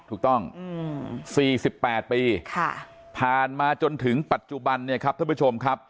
ถูกต้อง๔๘ปีผ่านมาจนถึงปัจจุบันเนี่ยครับท่านผู้ชมครับ